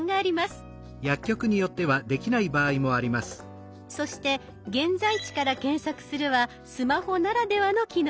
そして「現在地から検索する」はスマホならではの機能です。